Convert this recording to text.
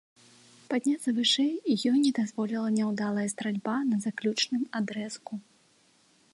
Падняцца вышэй ёй не дазволіла няўдалая стральба на заключным адрэзку.